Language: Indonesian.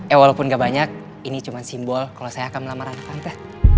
ya walaupun gak banyak ini cuma simbol kalau saya akan melamar anak kami